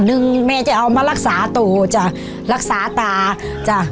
หนึ่งแม่จะเอามารักษาต่อจ้ะรักษาตาจ้ะ